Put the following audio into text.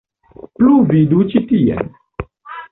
Plu vidu ĉi tien.